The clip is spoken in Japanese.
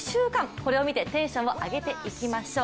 これを見てテンションを上げていきましょう。